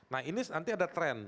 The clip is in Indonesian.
nah ini nanti ada tren